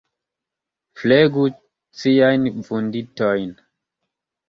Flegu ciajn vunditojn.